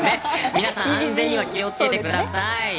皆さん、安全には気を付けてください。